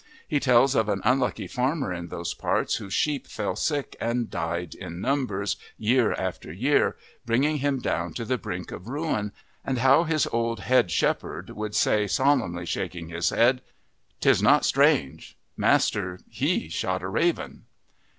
He tells of an unlucky farmer in those parts whose sheep fell sick and died in numbers, year after year, bringing him down to the brink of ruin, and how his old head shepherd would say, solemnly shaking his head, "'Tis not strange master, he shot a raven."